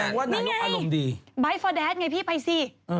นั่นไงบ้ายต์เกิดจากแล้วไงพี่ไปสิ